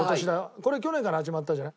これ去年から始まったじゃない。